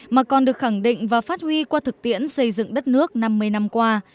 mà còn được khẳng định và phát huy qua thực tiễn xây dựng đất nước năm mươi năm qua